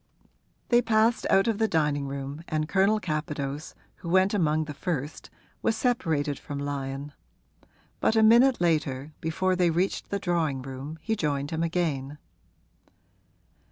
They passed out of the dining room, and Colonel Capadose, who went among the first, was separated from Lyon; but a minute later, before they reached the drawing room, he joined him again.